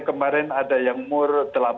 kemarin ada yang umur